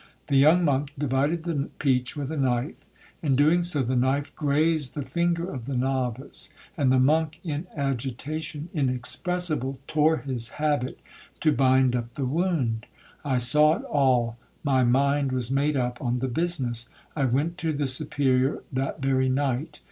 The young monk divided the peach with a knife; in doing so, the knife grazed the finger of the novice and the monk, in agitation inexpressible, tore his habit to bind up the wound. I saw it all—my mind was made up on the business—I went to the Superior that very night.